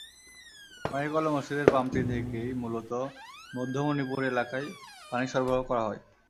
মাইকওয়ালা মসজিদের পাম্পটি থেকেই মূলত মধ্য মণিপুর এলাকায় পানি সরবরাহ করা হয়।